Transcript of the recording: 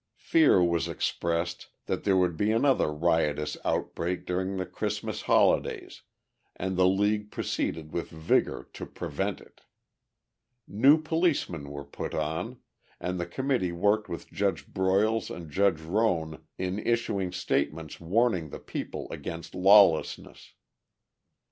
Fear was expressed that there would be another riotous outbreak during the Christmas holidays, and the league proceeded with vigour to prevent it. New policemen were put on, and the committee worked with Judge Broyles and Judge Roan in issuing statements warning the people against lawlessness.